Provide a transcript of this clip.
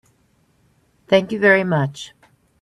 Thank you very much.